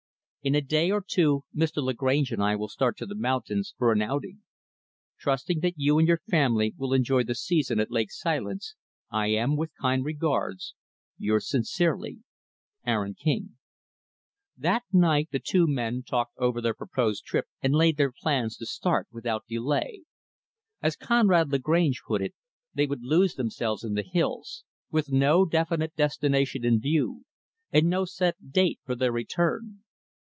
In a day or two, Mr. Lagrange and I will start to the mountains, for an outing. Trusting that you and your family will enjoy the season at Lake Silence I am, with kind regards, Yours sincerely, Aaron King. That evening, the two men talked over their proposed trip, and laid their plans to start without delay As Conrad Lagrange put it they would lose themselves in the hills; with no definite destination in view; and no set date for their return.